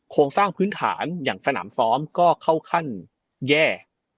โครงสร้างพื้นฐานอย่างสนามซ้อมก็เข้าขั้นแย่